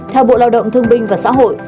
theo bộ lao động thương binh và xã hội